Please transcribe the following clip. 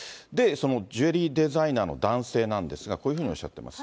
ジュエリーデザイナーの男性なんですが、こういうふうにおっしゃっています。